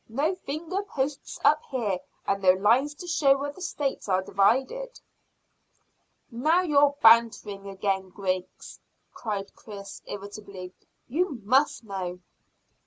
No finger posts up here and no lines to show where the States are divided." "Now you're bantering again, Griggs," cried Chris irritably. "You must know."